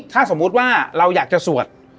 ถ้าสมมุติว่าเราอยากจะสวด